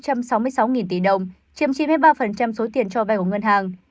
chiếm chín mươi ba số tiền cho vay của ngân hàng